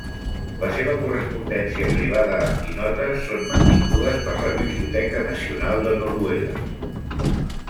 La seva correspondència privada i notes són mantingudes per la Biblioteca Nacional de Noruega.